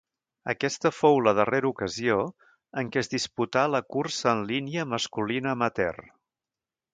Aquesta fou la darrera ocasió en què es disputà la Cursa en línia masculina amateur.